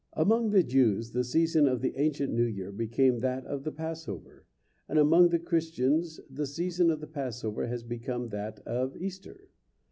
Among the Jews the season of the ancient New Year became that of the Passover, and among the Christians the season of the Passover has become that of Easter.